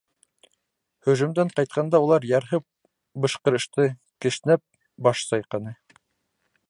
Һөжүмдән ҡайтҡанда улар ярһып бышҡырышты, кешнәп, баш сайҡаны.